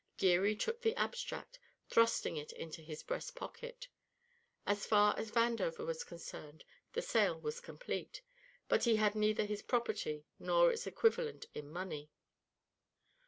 Geary took the abstract, thrusting it into his breast pocket. As far as Vandover was concerned, the sale was complete, but he had neither his properly nor its equivalent in money.